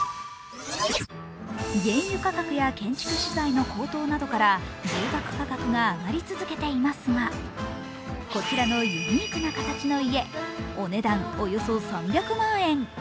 原油価格や建築資材の高騰などから住宅価格が上がり続けていますが、こちらのユニークな形の家、お値段およそ３００万円。